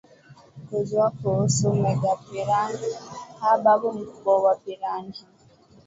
kujua kuhusu megapiranha babu mkubwa wa piranha